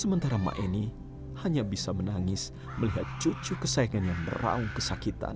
sementara ma'eni hanya bisa menangis melihat cucu kesayangan yang meraung kesakitan